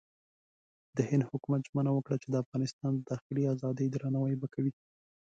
د هند حکومت ژمنه وکړه چې د افغانستان د داخلي ازادۍ درناوی به کوي.